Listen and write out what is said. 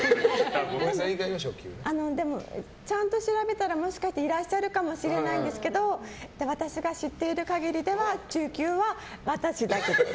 でも、ちゃんと調べたらもしかしていらっしゃるかもしれないんですけど私が知っている限りでは中級は私だけです。